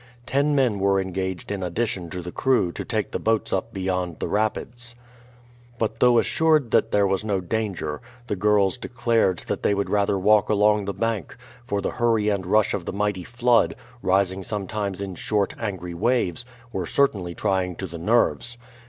Ten men were engaged in addition to the crew to take the boats up beyond the rapids. But although assured that there was no danger, the girls declared that they would rather walk along the bank, for the hurry and rush of the mighty flood, rising sometimes in short angry waves, were certainly trying to the nerves.